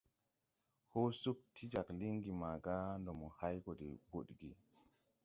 Hɔɔ sug ti jāg lingi maga ndo mo hay gɔ de budgi.